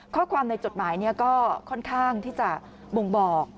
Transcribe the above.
ข้อความในจดหมายก็ค่อนข้างที่จะบ่งบอก